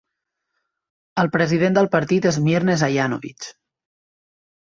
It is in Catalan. El president del partit és Mirnes Ajanovic.